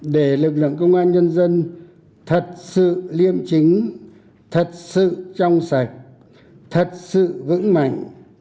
để lực lượng công an nhân dân thật sự liêm chính thật sự trong sạch thật sự vững mạnh